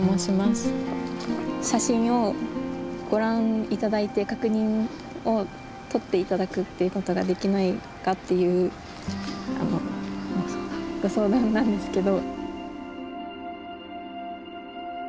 写真をご覧頂いて確認をとって頂くっていうことができないかっていうご相談なんですけど。